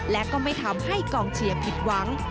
และก็ไม่ทำให้กองเชียร์ผิดหวัง